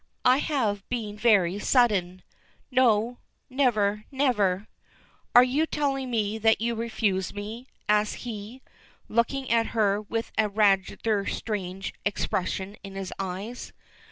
I have been very sudden " "No, never, never." "Are you telling me that you refuse me?" asks he, looking at her with a rather strange expression in his eyes.